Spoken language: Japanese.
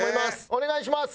お願いします。